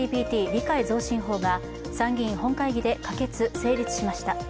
理解増進法が参議院本会議で可決・成立しました。